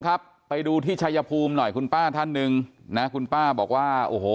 ครับไปดูที่ชัยภูมิหน่อยคุณป้าท่านหนึ่งนะคุณป้าบอกว่าโอ้โห